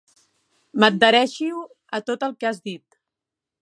M'adhereixo a tot el que has dit.